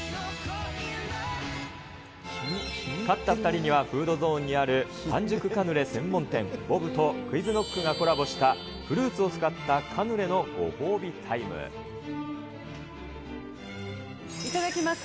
勝った２人にはフードゾーンにある、半熟カヌレ専門店、ボブとＱｕｉｚＫｎｏｃｋがコラボしたフルーツを使ったカヌレのいただきます。